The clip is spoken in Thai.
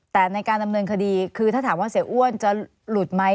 แต่ในการดำเนินคดีคือถ้าถามว่าเสียอ้วนจะหลุดไหม